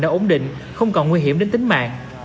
đã ổn định không còn nguy hiểm đến tính mạng